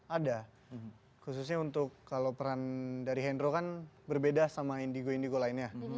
ada khususnya untuk kalau peran dari hendro kan berbeda sama indigo indigo lainnya